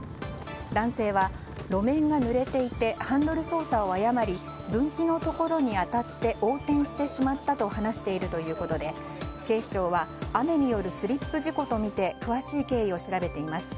男性は路面がぬれていてハンドル操作を誤り分岐のところに当たって横転してしまったと話しているということで警視庁は雨によるスリップ事故とみて詳しい経緯を調べています。